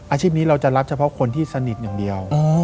อาชีพนี้เราจะรับเฉพาะคนที่สนิทอย่างเดียว